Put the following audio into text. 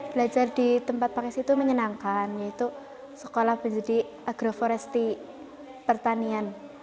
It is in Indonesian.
belajar di tempat pakis itu menyenangkan yaitu sekolah menjadi agroforesti pertanian